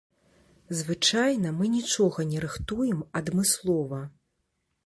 Звычайна мы нічога не рыхтуем адмыслова.